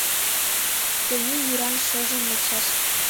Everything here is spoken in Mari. Тений йӱран шыжым лекшаш.